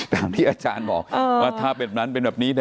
ตามที่อาจารย์บอกว่าถ้าแบบนั้นเป็นแบบนี้